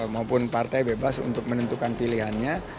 maupun partai bebas untuk menentukan pilihannya